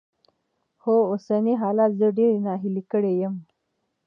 خو اوسني حالات زه ډېره ناهيلې کړې يم.